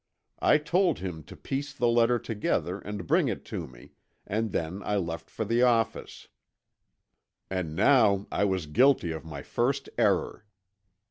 I told him to piece the letter together and bring it to me, and then I left for the office. "And now I was guilty of my first error.